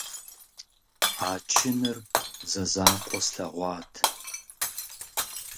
А чыныр зэзакъуэ слъэгъуат.